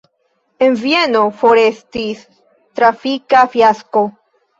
En Vieno forestis trafika fiasko.